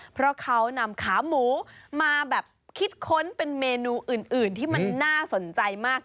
เพราะเขานำขาหมูมาแบบคิดค้นเป็นเมนูอื่นที่มันน่าสนใจมาก